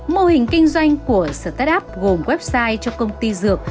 mô hình kinh doanh của startup gồm website cho công ty dược